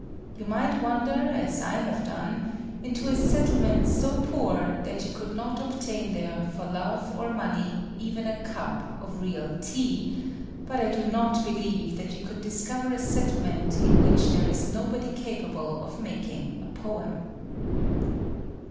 You might wander,—as I have done,—into a settlement so poor that you could not obtain there, for love or money, even a cup of real tea; but I do not believe that you could discover a settlement in which there is nobody capable of making a poem.